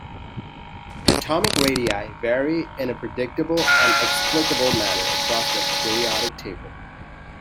Atomic radii vary in a predictable and explicable manner across the periodic table.